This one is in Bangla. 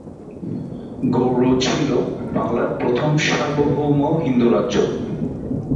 গৌড় ছিল বাংলার প্রথম সার্বভৌম হিন্দু রাজ্য।